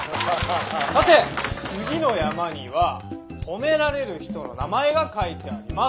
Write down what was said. さて次の山には褒められる人の名前が書いてあります。